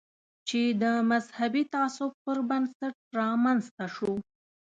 چې د مذهبي تعصب پر بنسټ رامنځته شو.